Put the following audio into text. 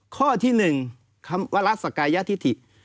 ข้อที่๑คำวรรษกายทิธิ